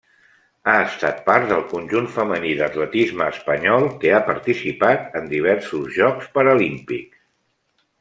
Ha estat part del conjunt femení d'atletisme espanyol que ha participat en diversos Jocs Paralímpics.